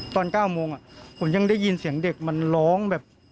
ตอน๙โมงผมยังได้ยินเสียงเด็กมันร้องแบบ